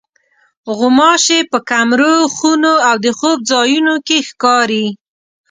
غوماشې په کمرو، خونو او د خوب ځایونو کې ښکاري.